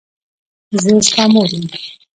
زه ستا مور یم.